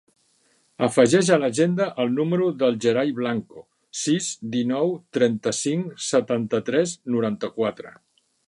Afegeix a l'agenda el número del Gerai Blanco: sis, dinou, trenta-cinc, setanta-tres, noranta-quatre.